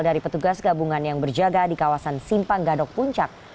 dari petugas gabungan yang berjaga di kawasan simpang gadok puncak